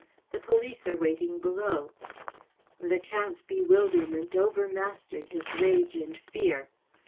The police are waiting below.‚ÄĚ The Count’s bewilderment overmastered his rage and fear.